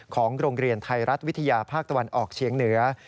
ของโรงเรียนไทยรัฐวิทยาภาคตะวันออกเฉียงเหนือ